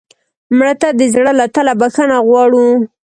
مړه ته د زړه له تله بښنه غواړو